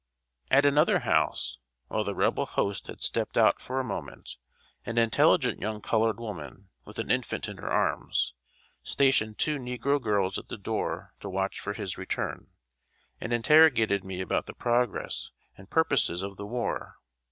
At another house, while the Rebel host had stepped out for a moment, an intelligent young colored woman, with an infant in her arms, stationed two negro girls at the door to watch for his return, and interrogated me about the progress and purposes of the War.